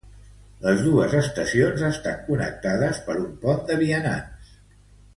Les dos estacions estan connectades per un pont de vianants.